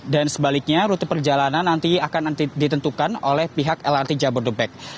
dan sebaliknya rute perjalanan nanti akan ditentukan oleh pihak lrt jabodetabek